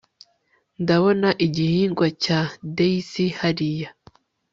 ndabona igihingwa cya daisy hariya